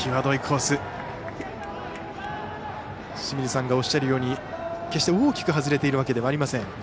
清水さんがおっしゃるように決して大きく外れているわけではありません。